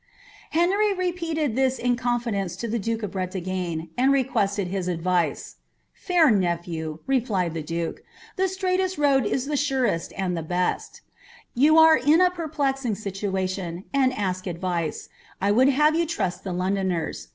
Henry repeated this in confidence to the duke of Bretagne, and re quested his advice. ^ Fair nephew," replied the duke, ^ the stiaightest toad is the sorest and best : you are in a perplexing situation, and ask advice — I would have you trust the Londoners.